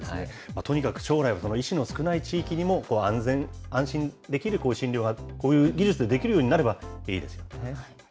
とにかく将来は医師の少ない地域にも、安全、安心できる診療が、こういう技術でできるようになればいいですね。